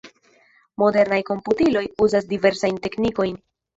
Modernaj komputiloj uzas diversajn teknikojn.